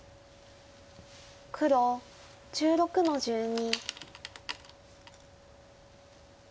黒１６の十二。